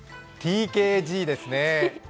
ＴＫＧですね。